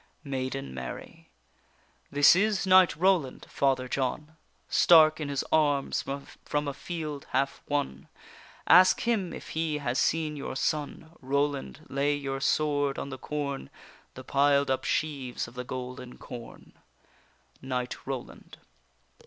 MAIDEN MARY. This is knight Roland, Father John, Stark in his arms from a field half won; Ask him if he has seen your son: Roland, lay your sword on the corn, The piled up sheaves of the golden corn. KNIGHT ROLAND.